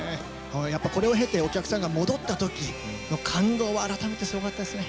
やっぱりこれを経てお客さんが戻った時の感動は改めてすごかったですね。